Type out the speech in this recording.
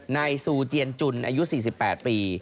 ซูเจียนจุนอายุ๔๘ปี